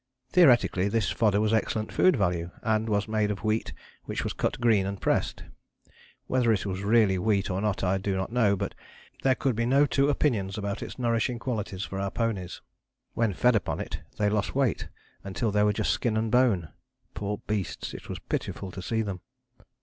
Theoretically this fodder was excellent food value, and was made of wheat which was cut green and pressed. Whether it was really wheat or not I do not know, but there could be no two opinions about its nourishing qualities for our ponies. When fed upon it they lost weight until they were just skin and bone. Poor beasts! It was pitiful to see them.